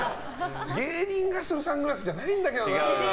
芸人がするサングラスじゃないんだけどな。